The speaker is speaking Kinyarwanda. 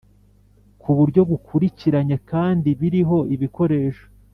ku buryo bukurikiranye kandi biriho ibikoresho